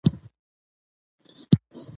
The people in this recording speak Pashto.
چار مغز د افغانستان د طبیعي پدیدو یو ښکلی رنګ دی.